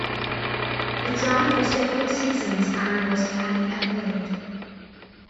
It ran for several seasons and was highly acclaimed.